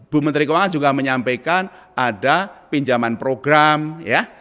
bu menteri keuangan juga menyampaikan ada pinjaman program ya